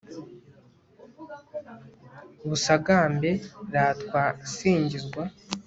busagambe, ratwa singizwa